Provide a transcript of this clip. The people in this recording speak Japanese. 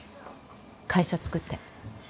会社作って。